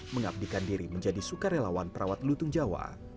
mengabdikan diri menjadi sukarelawan perawat lutung jawa